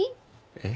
えっ。